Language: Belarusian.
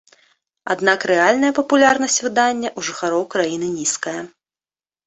Аднак рэальная папулярнасць выдання ў жыхароў краіны нізкая.